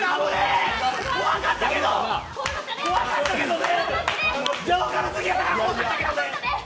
怖かったけどね。